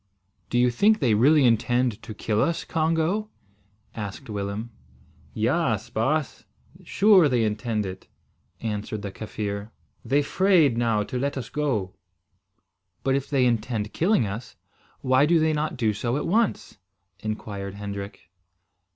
"Do you think they really intend to kill us, Congo?" asked Willem. "Yaas, baas. Sure they intend it," answered the Kaffir. "They 'fraid now to let us go." "But, if they intend killing us, why do they not do so at once?" inquired Hendrik.